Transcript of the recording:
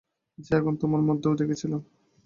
যে আগুন তোমার মধ্যেও দেখেছিলাম।